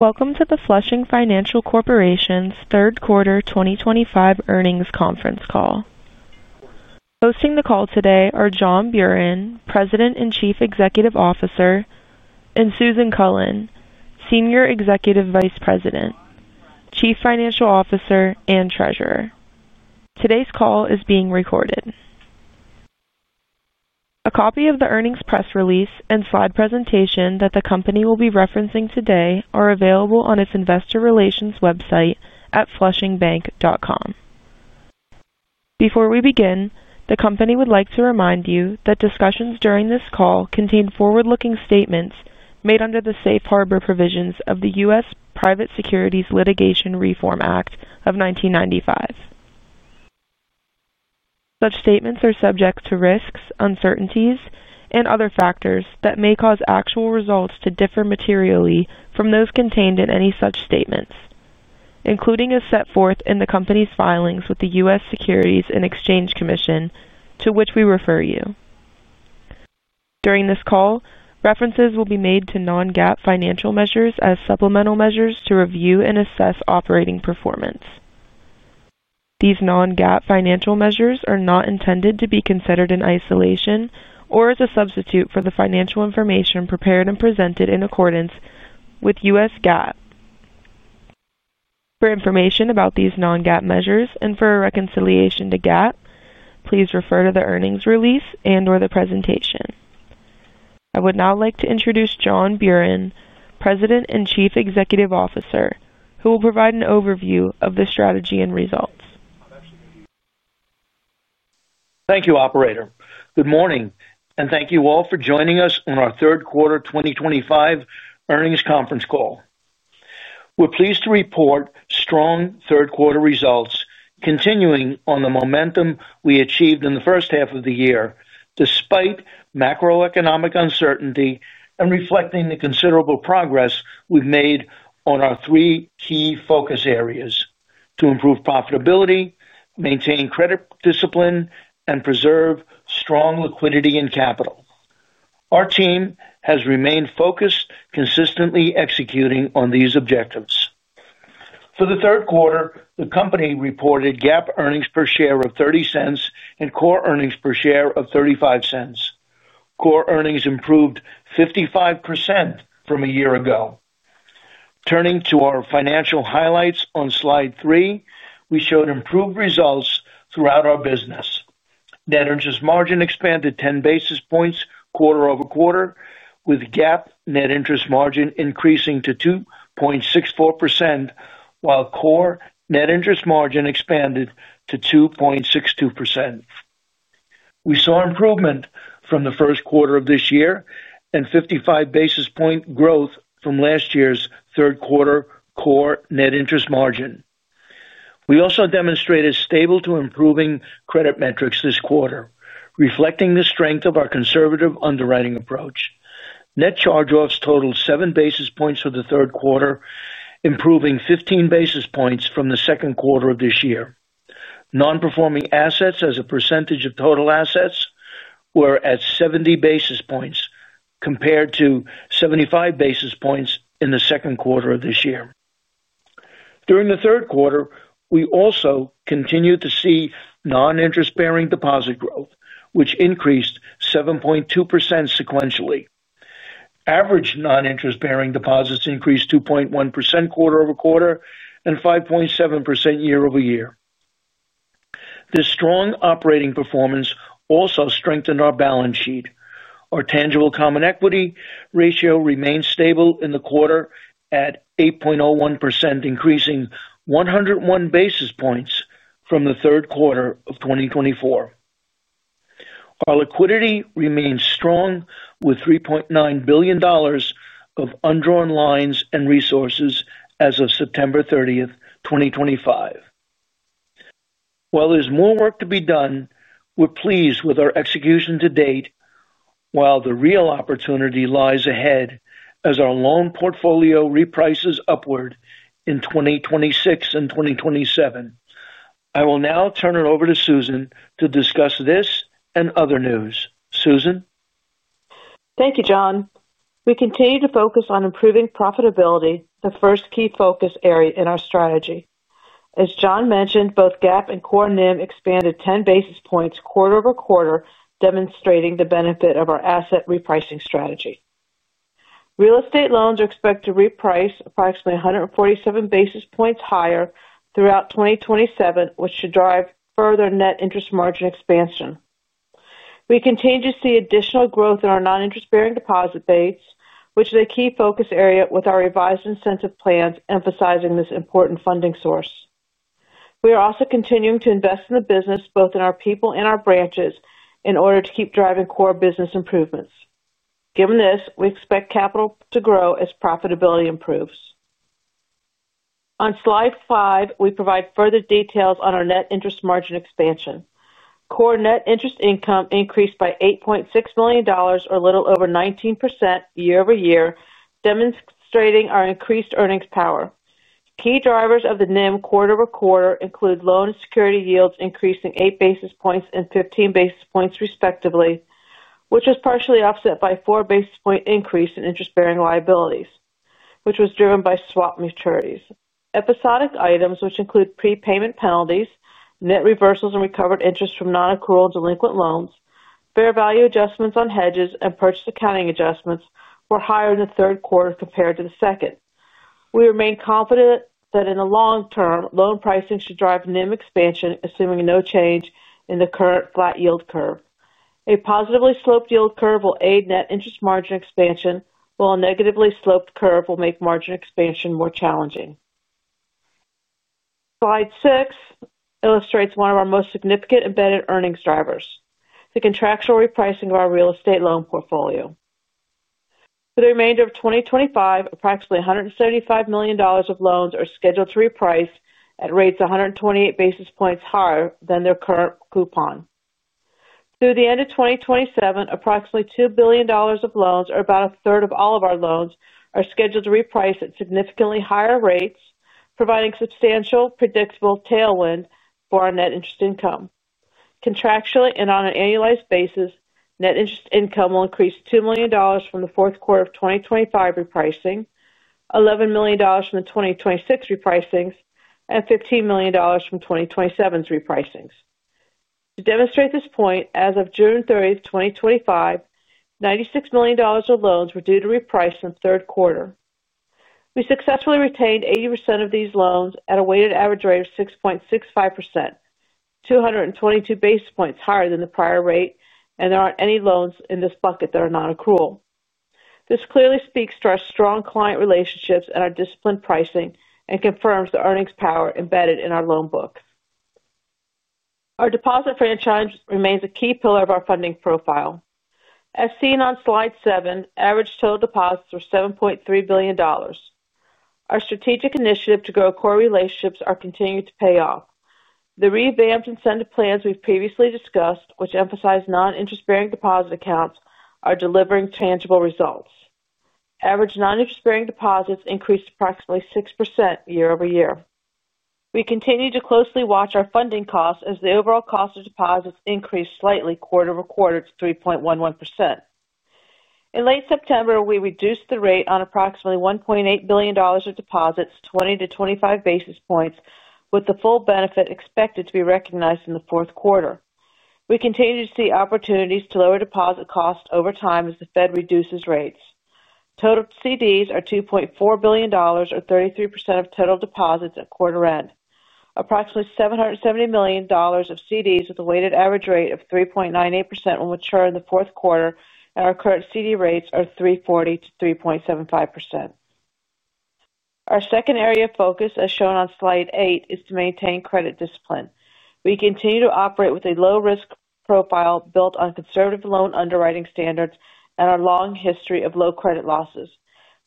Welcome to the Flushing Financial Corporation's third quarter 2025 earnings conference call. Hosting the call today are John Buran, President and Chief Executive Officer, and Susan Cullen, Senior Executive Vice President, Chief Financial Officer and Treasurer. Today's call is being recorded. A copy of the earnings press release and slide presentation that the company will be referencing today are available on its investor relations at flushingbank.com. Before we begin, the company would like to remind you that discussions during this call contain forward-looking statements made under the safe harbor provisions of the U.S. Private Securities Litigation Reform Act of 1995. Such statements are subject to risks, uncertainties, and other factors that may cause actual results to differ materially from those contained in any such statements, including as set forth in the company's filings with the U.S. Securities and Exchange Commission, to which we refer you. During this call, references will be made to non-GAAP financial measures as supplemental measures to review and assess operating performance. These non-GAAP financial measures are not intended to be considered in isolation or as a substitute for the financial information prepared and presented in accordance with U.S. GAAP. For information about these non-GAAP measures and for a reconciliation to GAAP, please refer to the earnings release and or the presentation. I would now like to introduce John Buran, President and Chief Executive Officer, who will provide an overview of the strategy and results. Thank you, Operator. Good morning, and thank you all for joining us on our third quarter 2025 earnings conference call. We're pleased to report strong third quarter results, continuing on the momentum we achieved in the first half of the year despite macroeconomic uncertainty and reflecting the considerable progress we've made on our three key focus areas to improve profitability, maintain credit discipline, and preserve strong liquidity and capital. Our team has remained focused, consistently executing on these objectives. For the third quarter, the company reported GAAP earnings per share of $0.30 and core earnings per share of $0.35. Core earnings improved 55% from a year ago. Turning to our financial highlights on Slide three, we showed improved results from throughout our business. Net interest margin expanded 10 basis points quarter over quarter, with GAAP net interest margin increasing to 2.64% while core net interest margin expanded to 2.62%. We saw improvement from the first quarter of this year and 55 basis point growth from last year's third quarter core net interest margin. We also demonstrated stable to improving credit metrics this quarter, reflecting the strength of our conservative underwriting approach. Net charge-offs totaled 7 basis points for the third quarter, improving 15 basis points from the second quarter of this year. Non-performing assets as a percentage of total assets were at 70 basis points compared to 75 basis points in the second quarter of this year. During the third quarter, we also continued to see non-interest-bearing deposit growth, which increased 7.2% sequentially. Average non-interest-bearing deposits increased 2.1% quarter over quarter and 5.7% year over year. This strong operating performance also strengthened our balance sheet. Our tangible common equity ratio remained stable in the quarter at 8.01%, increasing 101 basis points from the third quarter of 2024. Our liquidity remains strong with $3.9 billion of undrawn lines and resources as of September 30, 2025. While there's more work to be done, we're pleased with our execution to date while the real opportunity lies ahead as our loan portfolio reprices upward in 2026 and 2027. I will now turn it over to Susan to discuss this and other news. Susan? Thank you, John. We continue to focus on improving profitability, the first key focus area in our strategy. As John mentioned, both GAAP and core NIM expanded 10 basis points quarter over quarter, demonstrating the benefit of our asset repricing strategy. Real estate loans are expected to reprice approximately 147 basis points higher throughout 2027, which should drive further net interest margin expansion. We continue to see additional growth in our non-interest-bearing deposit base, which is a key focus area with our revised incentive plans emphasizing this important funding source. We are also continuing to invest in the business, both in our people and our branches, in order to keep driving core business improvements. Given this, we expect capital to grow as profitability improves. On slide five, we provide further details on our net interest margin expansion. Core net interest income increased by $8.6 million, or a little over 19% year over year, demonstrating our increased earnings power. Key drivers of the NIM quarter over quarter include loan security yields increasing 8 basis points and 15 basis points, respectively, which was partially offset by a 4 basis point increase in interest-bearing liabilities, which was driven by swap maturities. Episodic items, which include prepayment penalties, net reversals, and recovered interest from non-accrual and delinquent loans, fair value adjustments on hedges, and purchase accounting adjustments, were higher in the third quarter compared to the second. We remain confident that in the long term, loan pricing should drive NIM expansion, assuming no change in the current flat yield curve. A positively sloped yield curve will aid net interest margin expansion, while a negatively sloped curve will make margin expansion more challenging. Slide 6 illustrates one of our most significant embedded earnings drivers, the contractual repricing of our real estate loan portfolio. For the remainder of 2025, approximately $175 million of loans are scheduled to reprice at rates 128 basis points higher than their current coupon. Through the end of 2027, approximately $2 billion of loans, or about a third of all of our loans, are scheduled to reprice at significantly higher rates, providing a substantial predictable tailwind. For our net interest income contractually and on an annualized basis, net interest income will increase $2 million from the fourth quarter of 2025, repricing $11 million from the 2026 repricings and $15 million from 2027's repricings. To demonstrate this point, as of June 30, 2025, $96 million of loans were due to reprice. In the third quarter, we successfully retained 80% of these loans at a weighted average rate of 6.65%, 222 basis points higher than the prior rate. There aren't any loans in this bucket that are non-accrual. This clearly speaks to our strong client relationships and our disciplined pricing and confirms the earnings power embedded in our loan book. Our deposit franchise remains a key pillar of our funding profile. As seen on slide 7, average total deposits were $7.3 billion. Our strategic initiative to grow core relationships is continuing to pay off. The revamped incentive plans we've previously discussed, which emphasize non-interest-bearing deposit accounts, are delivering tangible results. Average non-interest-bearing deposits increased approximately 6% year over year. We continue to closely watch our funding costs as the overall cost of deposits increased slightly quarter over quarter to 3.11%. In late September, we reduced the rate on approximately $1.8 billion of deposits 20 basis points-25 basis points, with the full benefit expected to be recognized in the fourth quarter. We continue to see opportunities to lower deposit costs over time as the Fed reduces rates. Total CDs are $2.4 billion or 33% of total deposits. At quarter end, approximately $770 million of CDs with a weighted average rate of 3.98% will mature in the fourth quarter and our current CD rates are 3.40% to 3.75%. Our second area of focus, as shown on slide eight, is to maintain credit discipline. We continue to operate with a low risk profile built on conservative loan underwriting standards and our long history of low credit losses.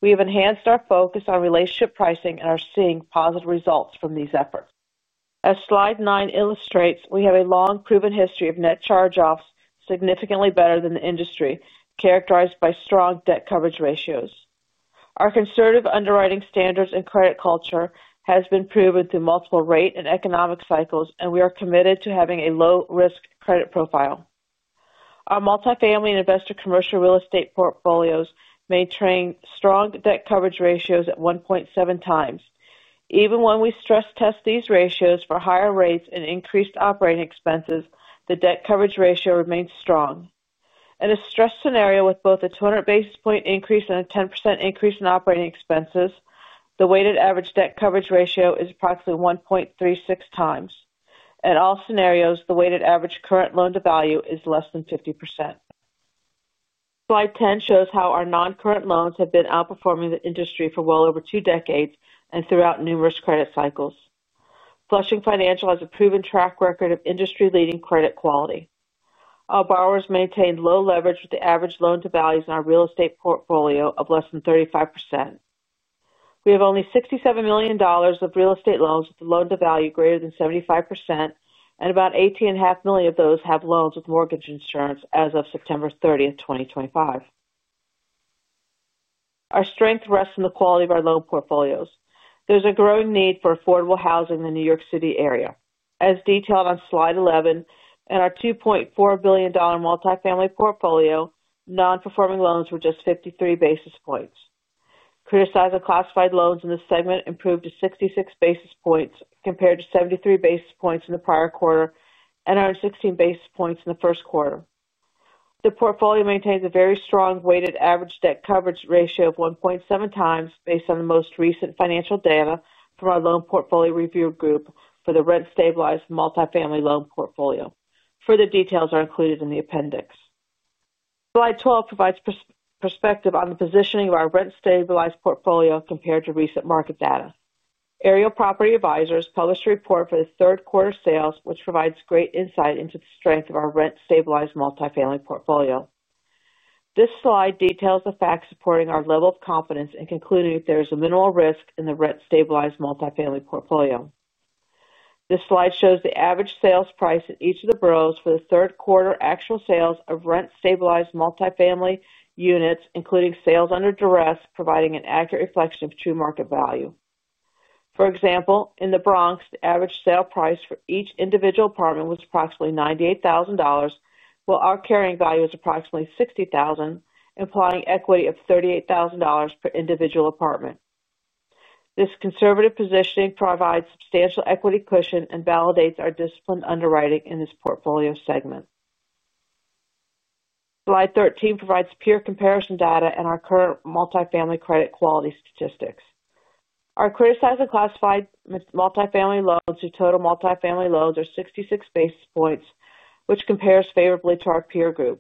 We have enhanced our focus on relationship pricing and are seeing positive results from these efforts. As slide nine illustrates, we have a long proven history of net charge-offs significantly better than the industry, characterized by strong debt service coverage ratios. Our conservative underwriting standards and credit culture have been proven through multiple rate and economic cycles and we are committed to having a low risk credit profile. Our multifamily and investor commercial real estate portfolios maintain strong debt coverage ratios at 1.7x. Even when we stress test these ratios for higher rates and increased operating expenses, the debt coverage ratio remains strong in a stressed scenario with both a 200 basis point increase and a 10% increase in operating expenses. The weighted average debt coverage ratio is approximately 1.36x in all scenarios. The weighted average current loan-to-value is less than 50%. Slide 10 shows how our noncurrent loans have been outperforming the industry for well over two decades and throughout numerous credit cycles. Flushing Financial Corporation has a proven track record of industry-leading credit quality. Our borrowers maintain low leverage with the average loan-to-values in our real estate portfolio of less than 35%. We have only $67 million of real estate loans with a loan-to-value greater than 75% and about $18.5 million of those have loans with mortgage insurance as of September 30, 2025. Our strength rests in the quality of our loan portfolios. There's a growing need for affordable housing in the New York City area as detailed on Slide 11. In our $2.4 billion multifamily portfolio, non-performing loans were just 53 basis points. Criticized and classified loans in this segment improved to 66 basis points compared to 73 basis points in the prior quarter and 16 basis points in the first quarter. The portfolio maintains a very strong weighted average debt coverage ratio of 1.7x based on the most recent financial data from our Loan Portfolio Review Group for the rent-stabilized multifamily loan portfolio. Further details are included in the appendix. Slide 12 provides perspective on the positioning of our rent-stabilized portfolio compared to recent market data. Ariel Property Advisors published a report for the third quarter sales which provides great insight into the strength of our rent-stabilized multifamily portfolio. This slide details the facts supporting our level of confidence and concluding that there is a minimal risk in the rent-stabilized multifamily portfolio. This slide shows the average sales price at each of the boroughs for the third quarter. Actual sales of rent-stabilized multifamily units including sales under duress provide an accurate reflection of true market value. For example, in the Bronx, the average sale price for each individual apartment was approximately $98,000 while our carrying value is approximately $60,000, implying equity of $38,000 per individual apartment. This conservative positioning provides substantial equity cushion and validates our disciplined underwriting in this portfolio segment. Slide 13 provides peer comparison data and our current multifamily credit quality statistics. Our criticized and classified multifamily loans to total multifamily loans are 66 basis points, which compares favorably to our peer group.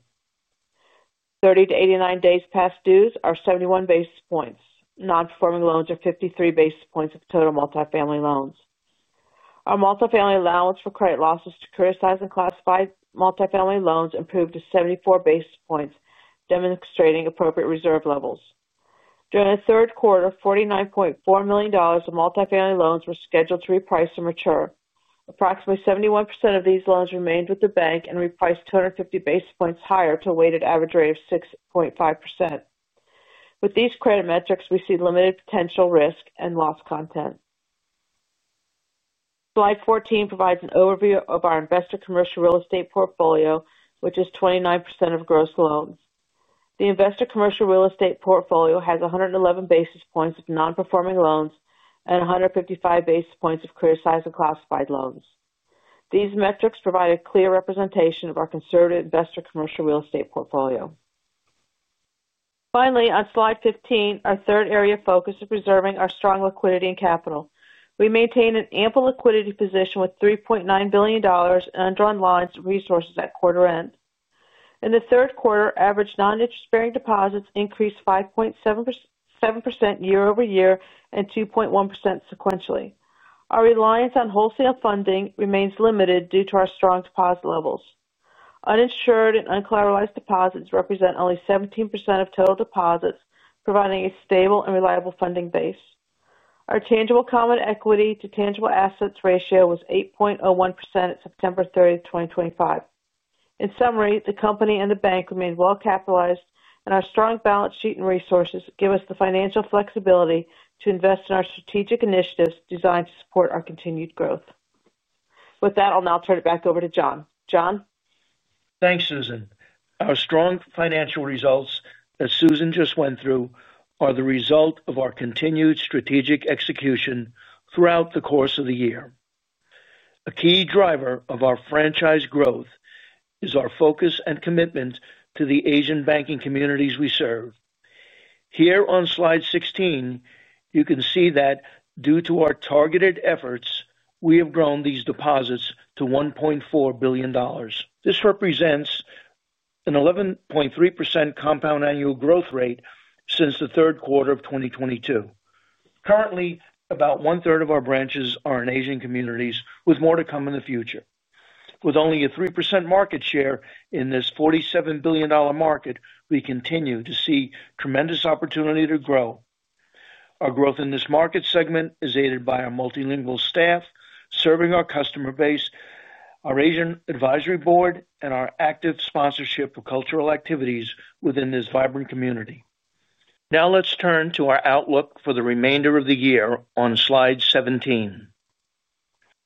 30 days-89 days past dues are 71 basis points. Non-performing loans are 53 basis points of total multifamily loans. Our multifamily allowance for credit losses to criticized and classified multifamily loans improved to 74 basis points, demonstrating appropriate reserve levels. During the third quarter, $49.4 million of multifamily loans were scheduled to reprice and mature. Approximately 71% of these loans remained with the bank and repriced 250 basis points higher to a weighted average rate of 6%. With these credit metrics, we see limited potential risk and loss content. Slide 14 provides an overview of our investor commercial real estate portfolio, which is 29% of gross loans. The investor commercial real estate portfolio has 111 basis points of non-performing loans and 155 basis points of criticized and classified loans. These metrics provide a clear representation of our conservative investor commercial real estate portfolio. Finally, on slide 15, our third area of focus is preserving our strong liquidity and capital. We maintain an ample liquidity position with $3.9 billion in undrawn lodged resources at quarter end. In the third quarter, average non-interest-bearing deposits increased 5.7% year over year and 2.1% sequentially. Our reliance on wholesale funding remains limited due to our strong deposit levels. Uninsured and uncollateralized deposits represent only 17% of total deposits, providing a stable and reliable funding base. Our tangible common equity to tangible assets ratio was 8.01% at September 30, 2025. In summary, the company and the bank remained well capitalized and our strong balance sheet and resources give us the financial flexibility to invest in our strategic initiatives designed to support our continued growth. With that, I'll now turn it back over to John. John? Thanks Susan. Our strong financial results, as Susan just went through, are the result of our continued strategic execution throughout the course of the year. A key driver of our franchise growth is our focus and commitment to the Asian banking communities we serve. Here on Slide 16, you can see that due to our targeted efforts we have grown these deposits to $1.4 billion. This represents an 11.3% compound annual growth rate since the third quarter of 2022. Currently, about one third of our branches are in Asian communities with more to come in the future. With only a 3% market share in this $47 billion market, we continue to see tremendous opportunity to grow. Our growth in this market segment is aided by our multilingual staff serving our customer base, our Asian Advisory Board, and our active sponsorship of cultural activities within this vibrant community. Now let's turn to our outlook for the remainder of the year. On Slide 17,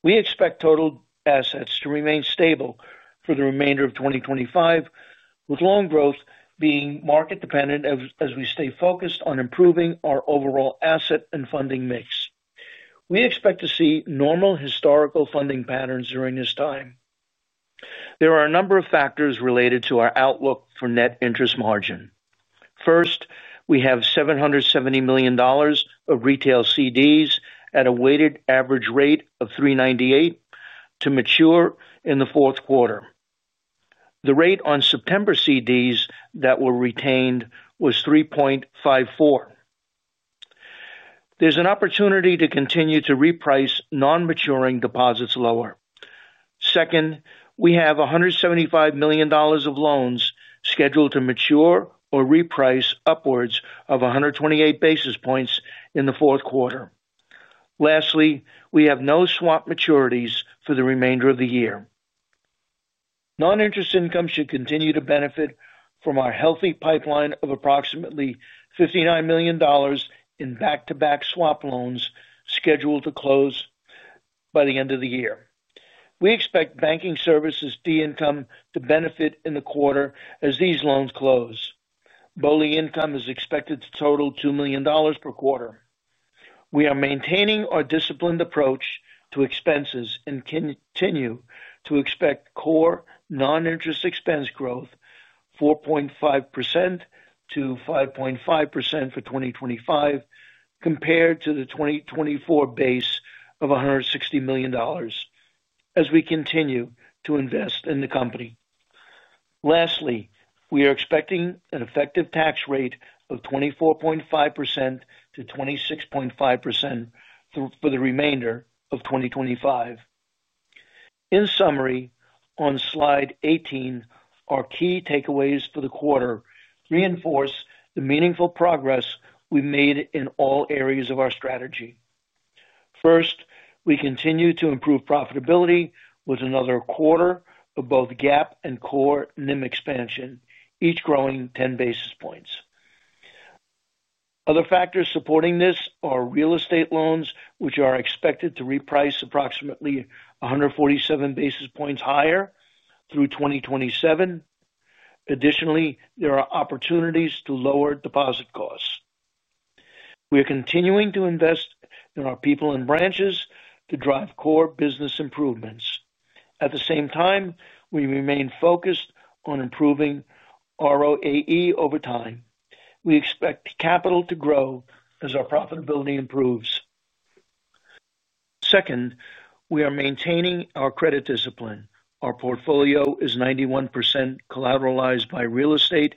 we expect total assets to remain stable for the remainder of 2025 with loan growth being market dependent. As we stay focused on improving our overall asset and funding mix, we expect to see normal historical funding patterns during this time. There are a number of factors related to our outlook for net interest margin. First, we have $770 million of retail certificates of deposit at a weighted average rate of 3.98% to mature in the fourth quarter. The rate on September certificates of deposit that were retained was 3.54%. There's an opportunity to continue to reprice non-maturing deposits lower. Second, we have $175 million of loans scheduled to mature or reprice upwards of 128 basis points in the fourth quarter. Lastly, we have no swap maturities for the remainder of the year. Non-interest income should continue to benefit from our healthy pipeline of approximately $59 million in back-to-back swap loans scheduled to close by the end of the year. We expect Banking Services income to benefit in the quarter as these loans close. BOLI income is expected to total $2 million per quarter. We are maintaining our disciplined approach to expenses and continue to expect core non-interest expense growth of 4.5%-5.5% for 2025 compared to the 2024 base of $160 million as we continue to invest in the company. Lastly, we are expecting an effective tax rate of 24.5%-26.5% for the remainder of 2025. In summary, on Slide 18, our key takeaways for the quarter reinforce the meaningful progress we made in all areas of our strategy. First, we continue to improve profitability with another quarter of both GAAP and core NIM expansion and each growing 10 basis points. Other factors supporting this are real estate loans which are expected to reprice approximately 147 basis points higher through 2027. Additionally, there are opportunities to lower deposit costs. We are continuing to invest in our people and branches to drive core business improvements. At the same time, we remain focused on improving ROTCE over time. We expect capital to grow as our profitability improves. Second, we are maintaining our credit discipline. Our portfolio is 91% collateralized by real estate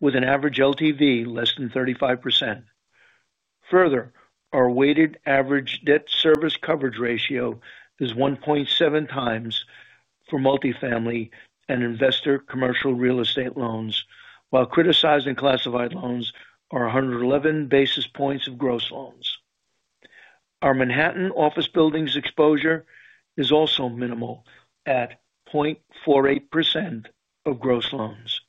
with an average loan-to-value ratio less than 35%. Further, our weighted average debt service coverage ratio is 1.7x for multifamily and investor commercial real estate loans while criticized and classified loans are 111 basis points of gross loans. Our Manhattan office buildings exposure is also minimal at 0.48% of gross loans.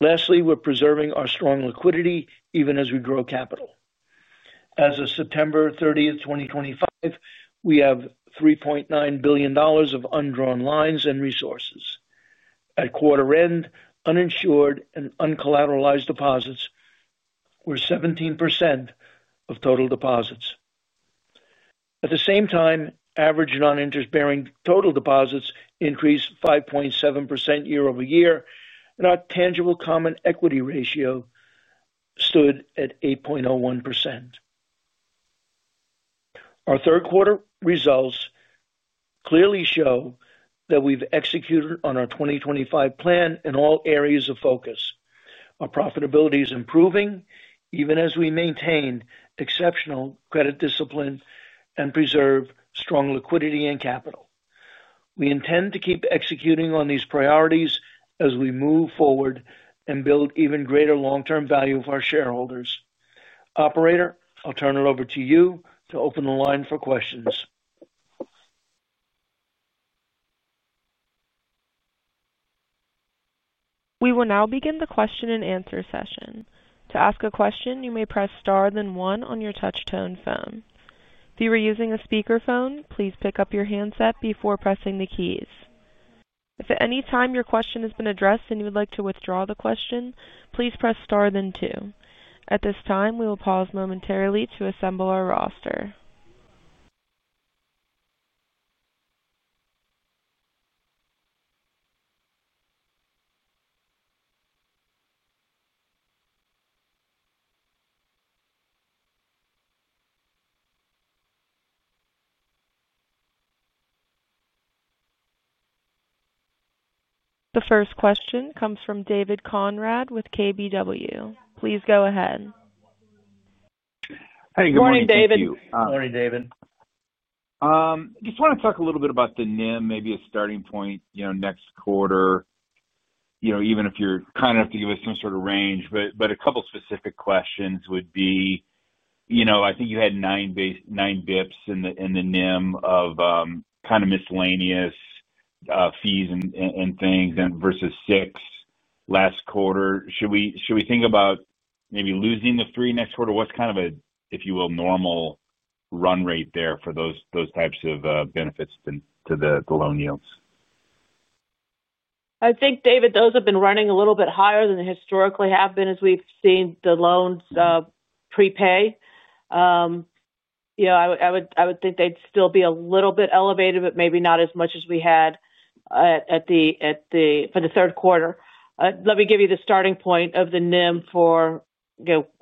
Lastly, we're preserving our strong liquidity even as we grow capital. As of September 30, 2025, we have $3.9 billion of undrawn lines and resources. At quarter end, uninsured and uncollateralized deposits were 17% of total deposits. At the same time, average non-interest-bearing total deposits increased 5.7% year over year and our tangible common equity ratio stood at 8.01%. Our third quarter results clearly show that we've executed on our 2025 plan in all areas of focus. Our profitability is improving even as we maintain exceptional credit discipline and preserve strong liquidity and capital. We intend to keep executing on these priorities as we move forward and build even greater long-term value for our shareholders. Operator, I'll turn it over to you to open the line for questions. We will now begin the question and answer session. To ask a question you may press Star then one on your touchtone phone. If you are using a speakerphone, please pick up your handset before pressing the keys. If at any time your question has been addressed and you would like to withdraw the question, please press Star then two. At this time, we will pause momentarily to assemble our roster. The first question comes from David Konrad with KBW Please go ahead. Hey good morning. Good morning, David. Morning David. Just want to talk a little bit about the NIM. Maybe a starting point next quarter even if you're kind enough to give us some sort of range. A couple specific questions would be I think you had 9 bps in the NIM of kind of miscellaneous fees and things versus 6 last quarter. Should we think about maybe losing the 3 next quarter? What's kind of a, if you will, normal run rate there for those types of benefits to the loan yields? I think, David, those have been running a little bit higher than they historically have been as we've seen the loans prepay. I would think they'd still be a little bit elevated, but maybe not as much as we had for the third quarter. Let me give you the starting point of the NIM for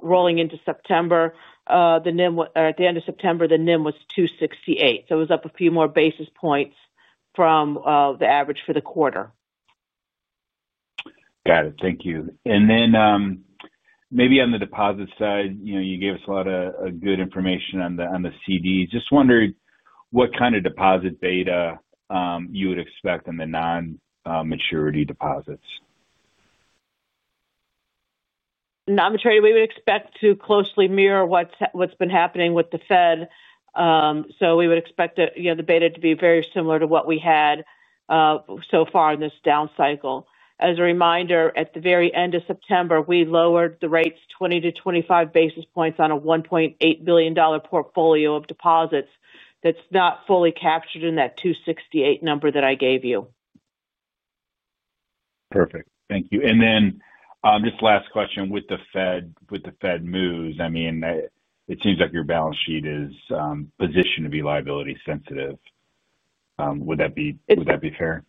rolling into September. At the end of September, the NIM was 2.68. It was up a few more basis points from the average for the quarter. Got it, thank you. You gave us a lot of good information on the CDs. I just wondered what kind of deposit beta you would expect in the non-maturity deposits. Non-maturity we would expect to closely mirror what's been happening with the Fed. We would expect the beta to be very similar to what we had so far in this down cycle. As a reminder, at the very end of September, we lowered the rates 20 basis points-25 basis points on a $1.8 billion portfolio of deposits. That's not fully captured in that 268 number that I gave you. Perfect, thank you. Just last question with the Fed, with the Fed moves, it seems like your balance sheet is positioned to be liability sensitive. Would that be fair?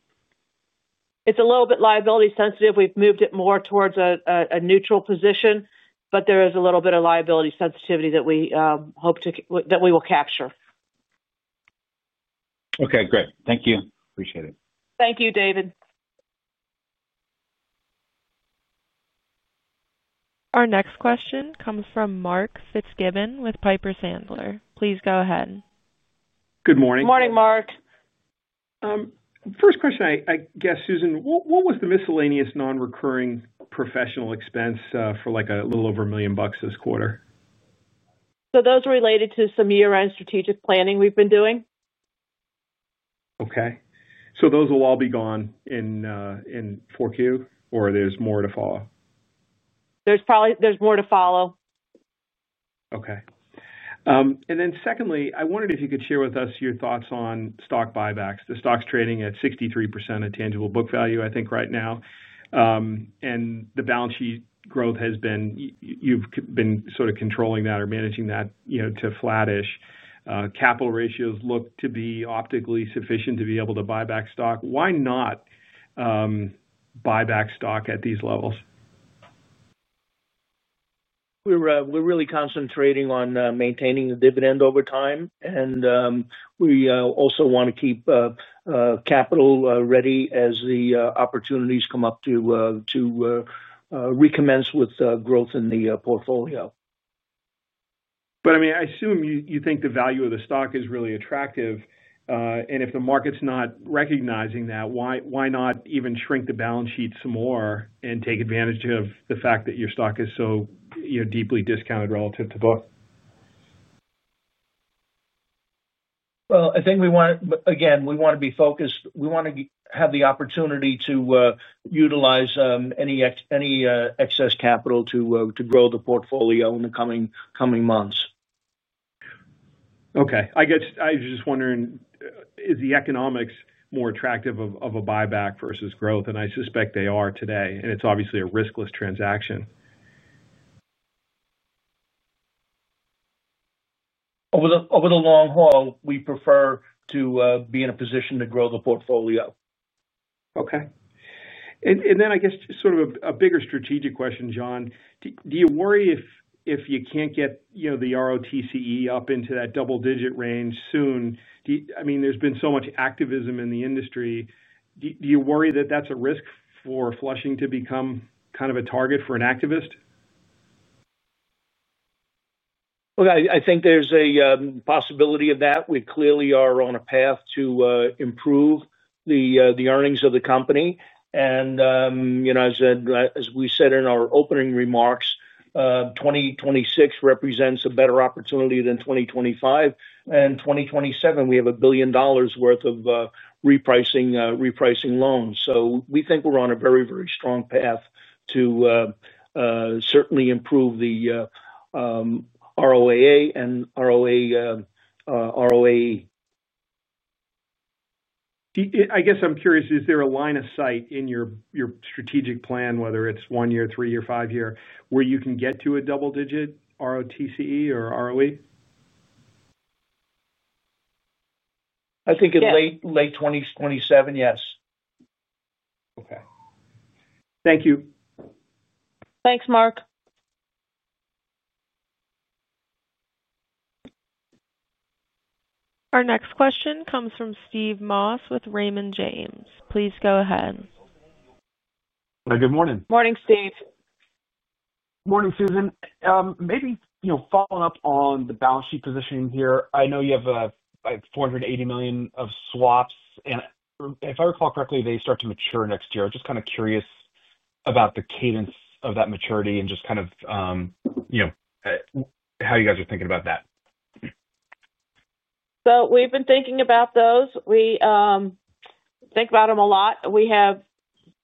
It's a little bit liability sensitive. We've moved it more towards a neutral position, but there is a little bit of liability sensitivity that we will capture. Okay, great. Thank you. Appreciate it. Thank you, David. Our next question comes from Mark Fitzgibbon with Piper Sandler. Please go ahead. Good morning. Good morning, Mark. First question, I guess, Susan. What was the miscellaneous non-recurring professional expense for, like, a little over $1 million this quarter? Those are related to some year end strategic planning we've been doing. Okay, so those will all be gone in 4Q or there's more to follow. There's more to follow. Okay. I wondered if you could share with us your thoughts on stock buybacks. The stock's trading at 63% of tangible book value I think right now. The balance sheet growth has been, you've been sort of controlling that or managing that to flattish. Capital ratios look to be optically sufficient to be able to buy back stock. Why not buy back stock at these levels? We're really concentrating on maintaining the dividend over time, and we also want to keep capital ready as the opportunities come up to recommence with growth in the portfolio. I assume you think the value of the stock is really attractive, and if the market's not recognizing that, why not even shrink the balance sheet some more and take advantage of the fact that your stock is so, you know, deeply discounted relative to book. I think we want to be focused. We want to have the opportunity to utilize any excess capital to grow the portfolio in the coming months. Okay. I guess I'm just wondering, is the economics more attractive of a buyback versus growth? I suspect they are today. It's obviously a riskless transaction. Over. Over the long haul. We prefer to be in a position to grow the portfolio. Okay. I guess just sort of a bigger strategic question. John, do you worry if you can't get the ROTCE up into that double digit range soon? I mean, there's been so much activism in the industry. Do you worry that that's a risk for Flushing to become kind of a target for an activist? I think there's a possibility of that. We clearly are on a path to improve the earnings of the company. As we said in our opening remarks, 2026 represents a better opportunity than 2025 and 2027. We have $1 billion worth of repricing, repricing loans. We think we're on a very, very strong path to certainly improve the ROAA and ROE. I guess I'm curious, is there a line of sight in your strategic plan whether it's one year, three year, five year where you can get to a double digit ROTCE or ROE? I think in late 2027, yes. Okay, thank you. Thanks, Mark. Our next question comes from Steve Moss with Raymond James. Please go ahead. Good morning. Morning, Steve. Morning, Susan. Maybe, you know, following up on the. Balance sheet positioning here, I know you have like $480 million of swaps, and if I recall correctly, they start to mature next year. Just kind of curious about the cadence of that maturity and just kind of, you know, how you guys are thinking about that. We think about those a lot. We have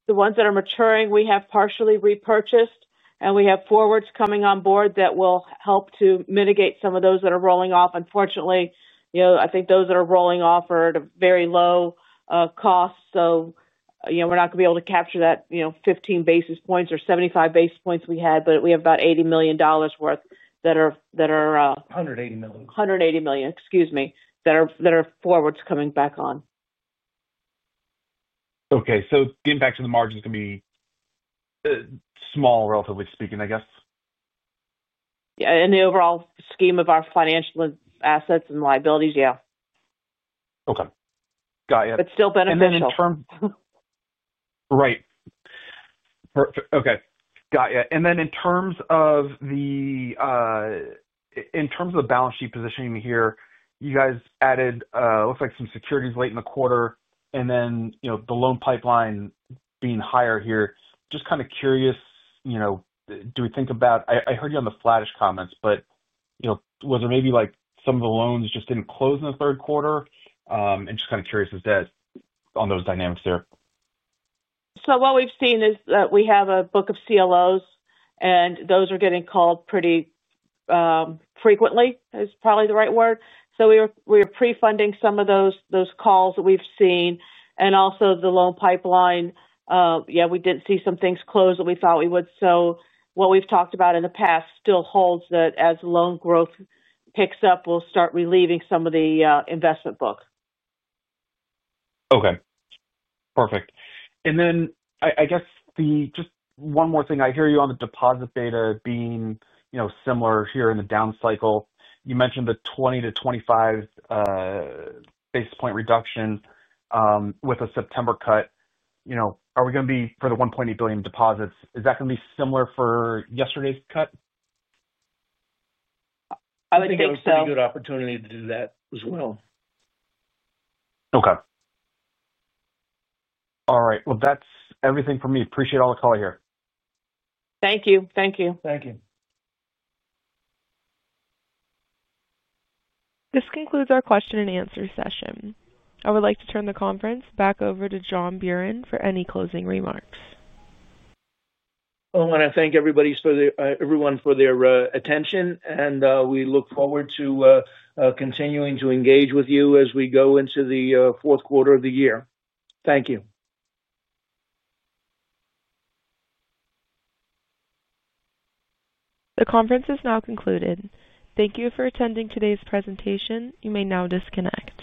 the ones that are maturing, we have partially repurchased, and we have forwards coming on board that will help to mitigate some of those that are rolling off. Unfortunately, those that are rolling off are at a very low cost. We're not going to be able to capture that 15 basis points or 75 basis points we had, but we have about $80 million worth that are—$180 million, excuse me—that are forwards coming back on. Okay. The impact of the margins can be small, relatively speaking, I guess. The overall scheme of our financial assets and liabilities. Okay, got you. Still benefit. In terms. Right, okay, got you. In terms of the balance sheet positioning here, you guys added looks like some securities late in the quarter, and the loan pipeline being higher here. Just kind of curious, do we think about, I heard you on the flattish comments, but was there maybe like some of the loans just didn't close in the third quarter? Just kind of curious on those dynamics there. What we've seen is that we have a book of CLOs, and those are getting called pretty frequently, is probably the right word. We are pre-funding some of those calls that we've seen. Also, the loan pipeline, we did see some things close that we thought we would. What we've talked about in the past still holds, that as loan growth picks up, we'll start relieving some of the investment book. Okay, perfect. I guess just one more thing. I hear you on the deposit beta being similar here in the down cycle. You mentioned the 20 basis point-25 basis point reduction with a September cut. Are we going to be, for the $1.8 billion deposits, is that going to be similar for yesterday's cut? I would think so. Good opportunity to do that as well. Okay. All right. That's everything for me. Appreciate all the call here. Thank you. Thank you. Thank you. This concludes our question and answer session. I would like to turn the conference back over to John Buran for any closing remarks. I want to thank everyone for their attention, and we look forward to continuing to engage with you as we go into the fourth quarter of the year. Thank you. The conference is now concluded. Thank you for attending today's presentation. You may now disconnect.